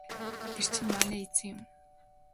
Тэр чинь манай эзэн юм.